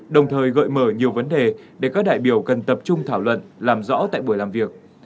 đồng thời gợi mở nhiều vấn đề để các đại biểu cần tập trung thảo luận làm rõ tại buổi làm việc